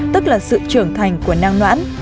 tức là sự trưởng thành của năng noãn